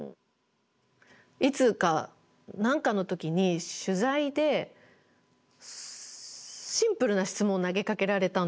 いつか何かの時に取材でシンプルな質問を投げかけられたんですよ。